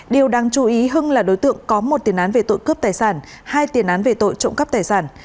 điều đáng chú ý hưng là đối tượng có một tiền án về tội cướp tài sản hai tiền án về tội trộm cắp tài sản